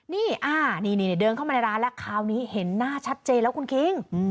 นี่เดินเข้ามาในร้านแล้วคราวนี้เห็นหน้าชัดเจนแล้วคุณคิง